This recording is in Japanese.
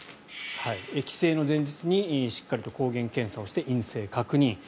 帰省の前日にしっかりと抗原検査をして陰性確認。